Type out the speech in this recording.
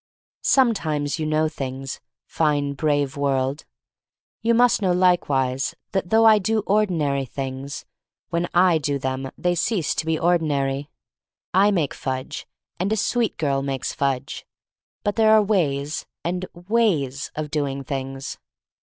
Sometimes you know things, fine brave world. You must know likewise that though I do ordinary things, when / do them they cease to be ordinary. I make fudge — and a sweet girl makes fudge, but there are ways and ways of doing things.